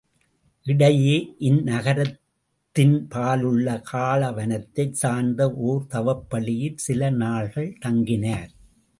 இடையே இந்நகரத்தின்பாலுள்ள காள வனத்தைச் சார்ந்த ஒர் தவப் பள்ளியில் சில நாள்கள் தங்கினார்.